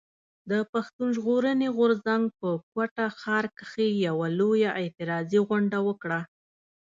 پښتون ژغورني غورځنګ په کوټه ښار کښي يوه لويه اعتراضي غونډه وکړه.